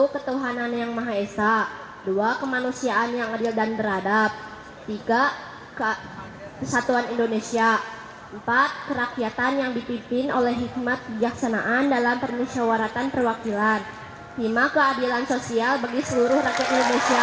satu ketuhanan yang maha esa dua kemanusiaan yang adil dan beradab tiga kesatuan indonesia empat kerakyatan yang dipimpin oleh hikmat kejaksanaan dalam pernisiawaratan perwakilan lima keadilan sosial bagi seluruh rakyat indonesia